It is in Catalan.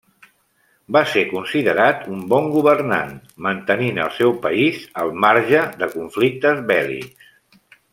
Va ser considerat un bon governant, mantenint el seu país al marge de conflictes bèl·lics.